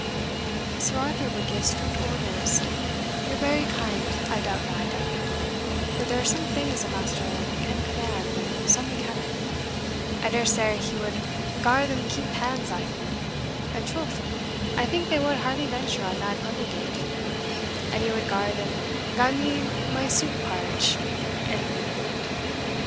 "Sir Arthur would give strict orders" "Ye're very kind I doubtna, I doubtna; but there are some things a master can command, and some he canna I daresay he wad gar them keep hands aff me (and troth, I think they wad hardly venture on that ony gate) and he wad gar them gie me my soup parritch and bit meat.